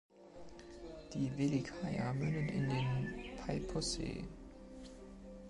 Die Welikaja mündet in den Peipussee.